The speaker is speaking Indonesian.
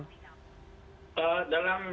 seberapa signifikan sebetulnya prof vickam